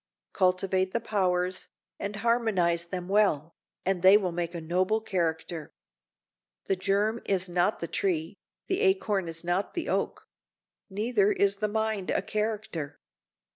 Cultivate the powers, and harmonize them well, and they will make a noble character. The germ is not the tree, the acorn is not the oak; neither is the mind a character.